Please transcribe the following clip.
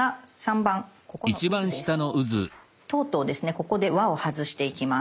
ここで輪を外していきます。